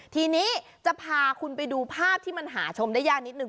ทีนี้จะพาคุณไปดูภาพที่มันหาชมได้ยากนิดนึ